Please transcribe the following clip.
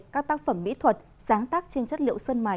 các tác phẩm mỹ thuật sáng tác trên chất liệu sơn mài